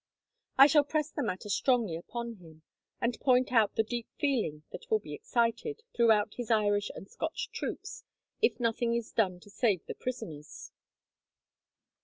"I shall press the matter strongly upon him, and point out the deep feeling that will be excited, throughout his Irish and Scotch troops, if nothing is done to save the prisoners.